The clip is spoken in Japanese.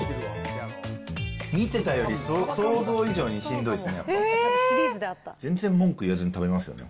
見てたより想像以上にしんどいですね。